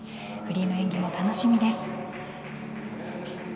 フリーの演技も楽しみです。